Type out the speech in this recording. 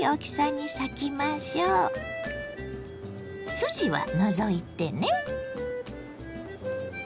筋は除いてね。